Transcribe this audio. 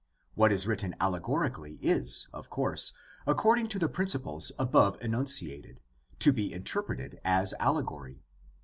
What is written allegorically is, of course, according to the principles above enunciated, to be interpreted as allegory.